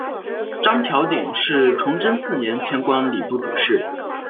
张调鼎是崇祯四年迁官礼部主事。